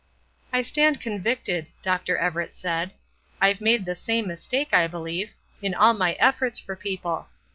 "I stand convicted," Dr. Everett said; "I've made the same mistake, I believe, in all my efforts for people.